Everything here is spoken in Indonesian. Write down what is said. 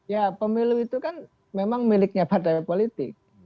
ya pemilu itu kan memang miliknya partai politik